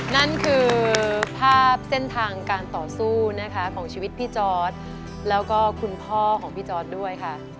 นั่นคือภาพเส้นทางการต่อสู้นะคะของชีวิตพี่จอร์ดแล้วก็คุณพ่อของพี่จอร์ดด้วยค่ะ